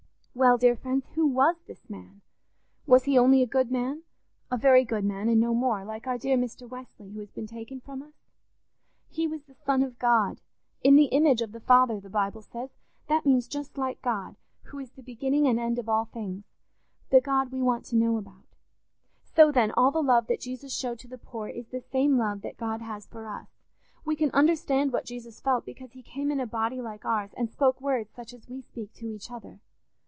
"Well, dear friends, who was this man? Was he only a good man—a very good man, and no more—like our dear Mr. Wesley, who has been taken from us?... He was the Son of God—'in the image of the Father,' the Bible says; that means, just like God, who is the beginning and end of all things—the God we want to know about. So then, all the love that Jesus showed to the poor is the same love that God has for us. We can understand what Jesus felt, because he came in a body like ours and spoke words such as we speak to each other.